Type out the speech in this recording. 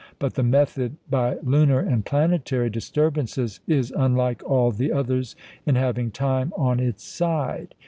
But the method by lunar and planetary disturbances is unlike all the others in having time on its side.